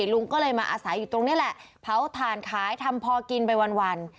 ลุงก็เลยมาอาศัยอยู่ตรงนี้แหละเผาถ่านขายทำพอกินไปวัน